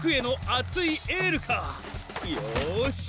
よし！